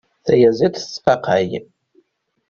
Tayaziḍt tesqaqay.